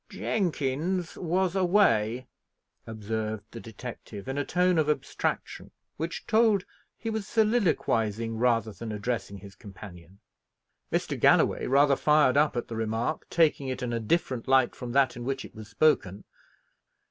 "Jenkins was away," observed the detective in a tone of abstraction, which told he was soliloquizing, rather than addressing his companion. Mr. Galloway rather fired up at the remark, taking it in a different light from that in which it was spoken.